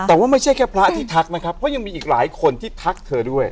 แต่ว่าไม่ใช่แค่พระที่ทักนะครับเพราะยังมีอีกหลายคนที่ทักเธอด้วย